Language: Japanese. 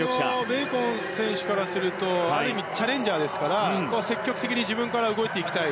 ベーコン選手からするとある意味チャレンジャーですから積極的に自分から動いていきたい